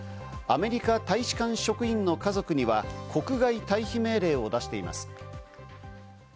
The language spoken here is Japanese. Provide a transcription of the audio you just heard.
アメリカ大使館職員の家族には国外退避命令を出しています。